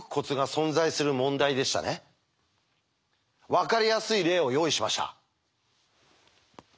分かりやすい例を用意しました。